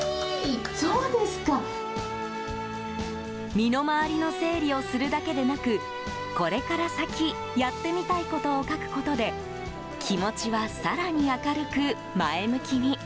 身の回りの整理をするだけでなくこれから先やってみたいことを書くことで気持ちは更に明るく、前向きに。